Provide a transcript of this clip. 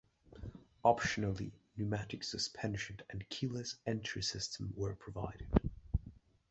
Optionally, pneumatic suspension and keyless entry system were provided.